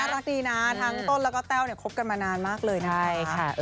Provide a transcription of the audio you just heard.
รักดีนะทั้งต้นแล้วก็แต้วคบกันมานานมากเลยนะคะ